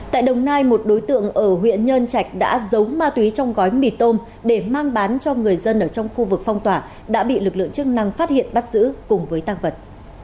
tại đồng nai một đối tượng ở huyện nhơn trạch đã giấu ma túy trong gói mì tôm để mang bán cho người dân ở trong khu vực phong tỏa đã bị lực lượng chức năng phát hiện bắt giữ cùng với tăng vật